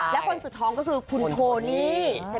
และคนสุดท้องก็คือคุณโทนี่